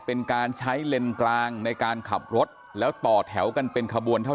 เป็นการใช้เลนส์กลางในการขับรถแล้วต่อแถวกันเป็นขบวนเท่า